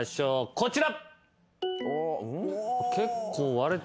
こちら。